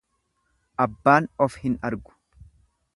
Abbaan of hin argu.